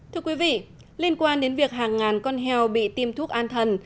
thưa quý vị liên quan đến việc hàng ngàn con heo bị tiêm thuốc an thần